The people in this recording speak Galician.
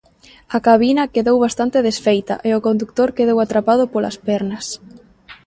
A cabina quedou bastante desfeita e o condutor quedou atrapado polas pernas.